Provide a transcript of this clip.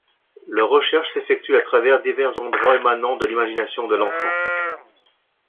Leur recherche s'effectue à travers divers endroits émanant de l'imagination de l'enfant.